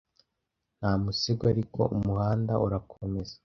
nta musego ariko umuhanda urakomeza